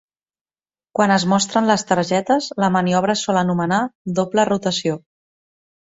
Quan es mostren les targetes, la maniobra es sol anomenar "doble rotació".